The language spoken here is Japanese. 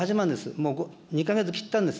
もう２か月切ったんです。